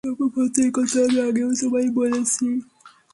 সম্ভবত একথা আমি আগেও তোমায় বলেছি।